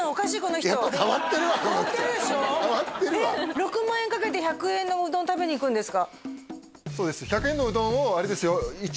６万円かけて１００円のうどん食べに行くんですか？